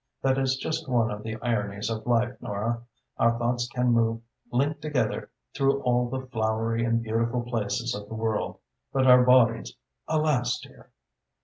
That is just one of the ironies of life, Nora. Our thoughts can move linked together through all the flowery and beautiful places of the world, but our bodies alas, dear!